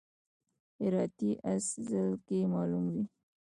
هراتی اس ځل کې معلوم وي.